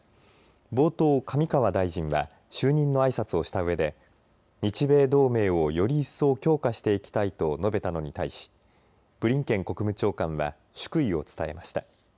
冒頭、上川大臣は就任のあいさつをしたうえで日米同盟をより一層強化していきたいと述べたのに対しブリンケン国務長官は祝意を伝えました。